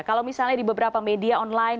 kalau misalnya di beberapa media online